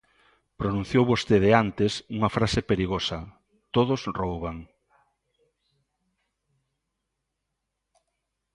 Pronunciou vostede antes unha frase perigosa: Todos rouban.